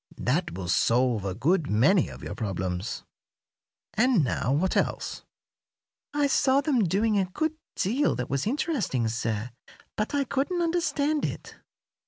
That will solve a good many of your problems. And now, what else?" "I saw them doing a good deal that was interesting, sir, but I couldn't understand it."